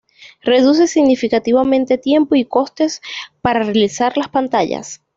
Reduce significativamente tiempo y costes para realizar las pantallas.